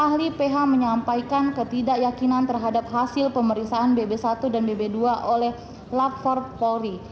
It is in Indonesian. ahli ph menyampaikan ketidakyakinan terhadap hasil pemeriksaan bb satu dan bb dua oleh lab empat polri